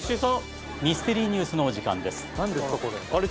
ミステリーニュースのお時間です。